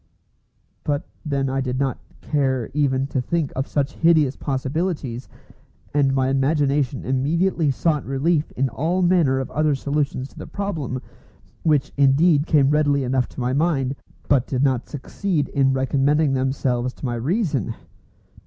... But then I did not care even to think of such hideous possibilities, and my imagination immediately sought relief in all manner of other solutions to the problem, which indeed came readily enough to my mind, but did not succeed in recommending themselves to my reason.